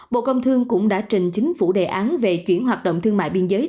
bộ công thương cũng đã trình chính phủ đề án về chuyển hoạt động thương mại biên giới